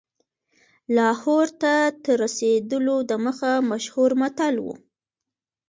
لاهور ته تر رسېدلو دمخه مشهور متل و.